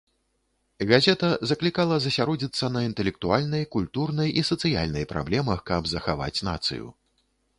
Газета заклікала засяродзіцца на інтэлектуальнай, культурнай і сацыяльнай праблемах каб захаваць нацыю.